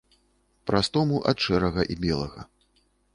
Пра стому ад шэрага і белага.